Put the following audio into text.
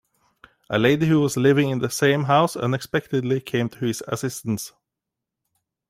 A lady who was living in the same house unexpectedly came to his assistance.